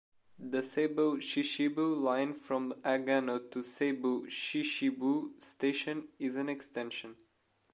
The Seibu Chichibu Line from Agano to Seibu Chichibu Station is an extension.